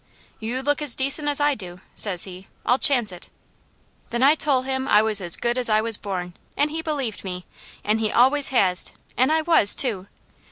'You look as decent as I do,' says he; 'I'll chance it!' Then I tole him I was as good as I was born, an' he believed me, an' he always has, an' I was too!